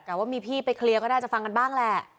ว่ามีพี่ไปเคลียร์ก็น่าจะฟังกันบ้างแหละ